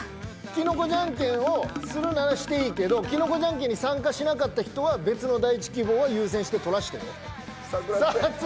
きのこじゃんけんをするならしていいけどきのこじゃんけんに参加しなかった人は別の第１希望は優先して取らせてよ。